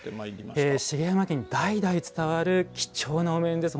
茂山家に代々伝わる貴重なお面です。